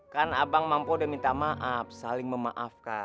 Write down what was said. sampai jumpa di video selanjutnya